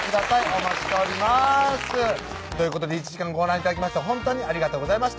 お待ちしておりますということで１時間ご覧頂きましてほんとにありがとうございました